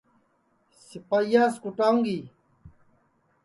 سِپائییاس کُوٹاؤں گی